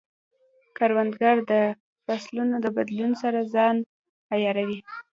کروندګر د فصلونو د بدلون سره ځان عیاروي